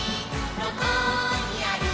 どこにある？